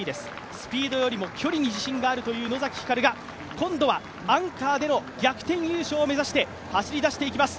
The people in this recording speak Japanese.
スピードよりも距離が自信があるという野崎光が今度はアンカーでの逆転優勝を目指して走りだしています。